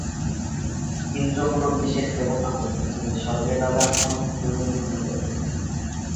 ইন্দ্র কোনো বিশেষ দেবতা নন, যিনি স্বর্গের রাজা হন তিনিই ইন্দ্র।